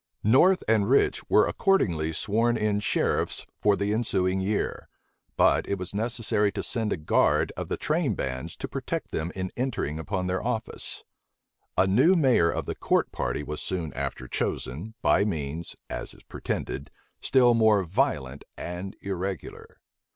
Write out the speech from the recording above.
North and Rich were accordingly sworn in sheriffs for the ensuing year; but it was necessary to send a guard of the train bands to protect them in entering upon their office. A new mayor of the court party was soon after chosen, by means, as is pretended, still more violent and irregular.